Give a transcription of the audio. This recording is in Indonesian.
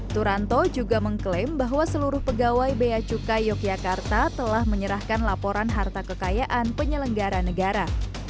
turanto juga mengklaim bahwa seluruh pegawai beacukai yogyakarta telah menyerahkan laporan harta kekayaan penyelenggara negara